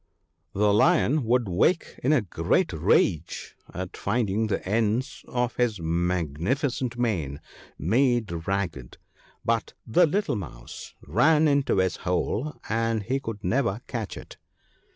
The Lion would wake in a great rage at finding the ends of his magnificent mane made ragged, but the little mouse ran into his hole, and he could never catch it.